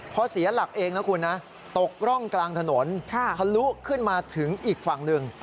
พอเสียหลักเองนะคุณนะตกร่องกลางถนนทะลุขึ้นมาถึงอีกฝั่งหนึ่ง